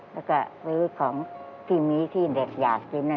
แล้วก็ซื้อของที่มีที่เด็กอยากกิน